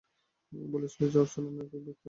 ও বলেছিল যে অর্চনা না কি অনেক ব্যক্তিগত।